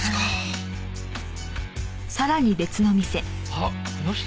あっこの人。